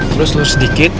terus lurus sedikit